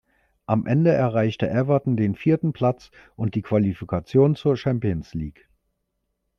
Am Ende erreichte Everton den vierten Platz und die Qualifikation zur Champions League.